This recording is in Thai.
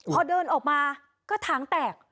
พอเดินออกมาก็ถางแตก